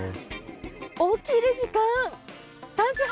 起きる時間３時半！？